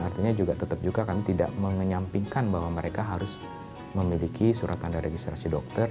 artinya juga tetap juga kami tidak mengenyampingkan bahwa mereka harus memiliki surat tanda registrasi dokter